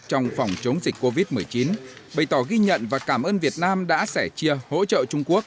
trong phòng chống dịch covid một mươi chín bày tỏ ghi nhận và cảm ơn việt nam đã sẻ chia hỗ trợ trung quốc